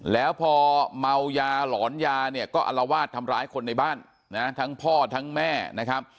แล้วพอเมายาหลอนยาเนี่ยก็อลวาดทำร้ายคนในบ้านนะทั้งพ่อทั้งแม่นะครับ